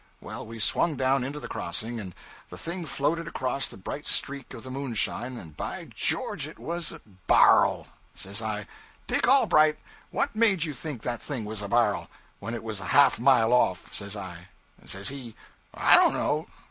Well, we swung down into the crossing, and the thing floated across the bright streak of the moonshine, and, by George, it was bar'l. Says I '"Dick Allbright, what made you think that thing was a bar'l, when it was a half a mile off," says I. Says he '"I don't know."